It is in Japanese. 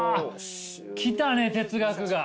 来たね哲学が！